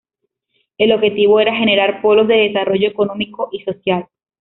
El objetivo era generar polos de desarrollo económico y social.